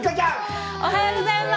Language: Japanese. おはようございます。